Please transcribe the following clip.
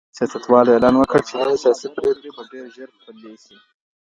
سياستوالو اعلان وکړ چي نوي سياسي پريکړي به ډېر ژر پلي سي.